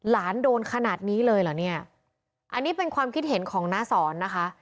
โดนขนาดนี้เลยเหรอเนี่ยอันนี้เป็นความคิดเห็นของน้าสอนนะคะ